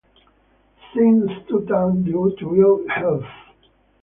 Singh stood down due to ill health.